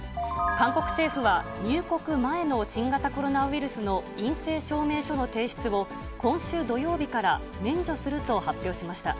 韓国政府は、入国前の新型コロナウイルスの陰性証明書の提出を、今週土曜日から免除すると発表しました。